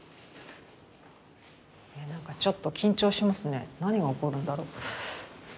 ちょっと緊張しますね何が起こるんだろう。